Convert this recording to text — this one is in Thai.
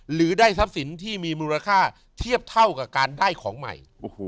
หรือได้ทรัพย์สินที่มีมูลค่าเทียบเท่ากับการได้ของใหม่